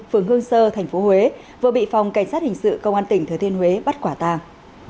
phường hương sơ tp huế vừa bị phòng cảnh sát hình sự công an tỉnh thừa thiên huế bắt quả tàng